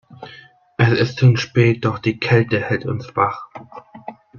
Es ist schon spät, doch die Kälte hält uns wach.